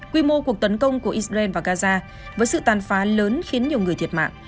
quy mô cuộc tấn công của israel vào gaza với sự tàn phá lớn khiến nhiều người thiệt mạng